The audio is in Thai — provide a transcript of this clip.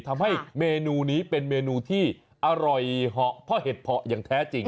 ทำให้เมนูนี้เป็นเมนูที่อร่อยเหาะเพราะเห็ดเพาะอย่างแท้จริง